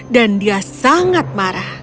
dan dia sangat marah